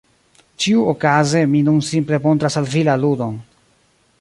Ĉiuokaze mi nun simple montras al vi la ludon…